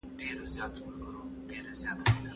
د پښتو ژبي ګرامر ډېر منظم او دقیق دی